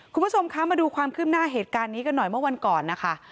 คุณผู้ชมคะมาดูความคืบหน้าเหตุการณ์นี้กันหน่อยเมื่อวันก่อนนะคะ